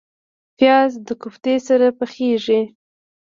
پیاز د کوفتې سره پخیږي